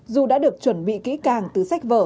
dù đã được chuẩn bị kỹ càng từ sách vở